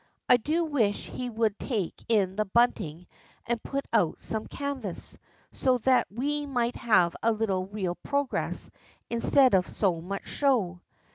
I do wish he would take in the bunting and put out some canvas, so that we might have a little real progress instead of so much show."